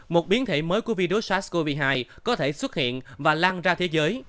một biến thể mới của virus sars cov hai có thể xuất hiện và lan ra thế giới